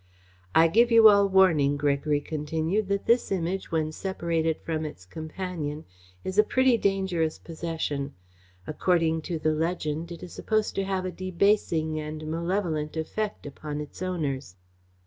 "I give you all warning," Gregory continued, "that this Image when separated from its companion is a pretty dangerous possession. According to the legend it is supposed to have a debasing and malevolent effect upon its owners."